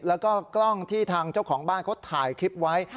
แล้วก็กล้องที่ทางเจ้าของบ้านเขาถ่ายคลิปไว้